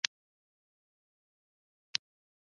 تحریف د نجات لار نه ده.